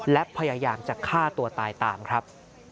และพยายามจะฆ่าตัวตายตามครับ